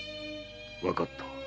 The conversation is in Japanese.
わかった。